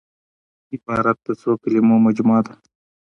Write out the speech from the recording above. عبارت د څو کليمو مجموعه ده.